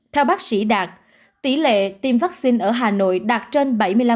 theo bác sĩ đạt tỷ lệ tiêm vaccine ở hà nội đạt trên bảy mươi năm